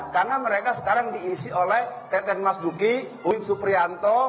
karena mereka sekarang diisi oleh teten mas duki bumim suprianto